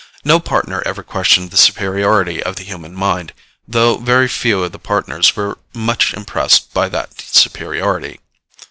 No Partner ever questioned the superiority of the human mind, though very few of the Partners were much impressed by that superiority.